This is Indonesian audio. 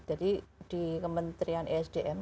jadi di kementerian esdm